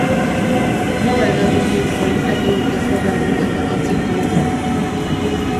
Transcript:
Nola erabili, predikatu, ezaugarri eta kontzeptu hitzak?